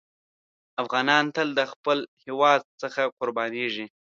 افغانان تل د خپل هېواد څخه قربانېږي.